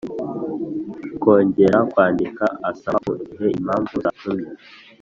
kongera kwandika asaba mu gihe impamvu zatumye